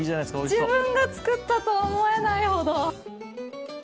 自分が作ったとは思えないほど。